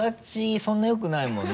そんなよくないもんな？